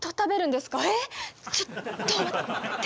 ちょっと待って。